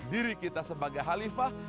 diri kita sebagai halifah